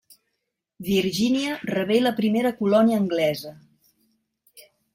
Virgínia rebé la primera colònia anglesa.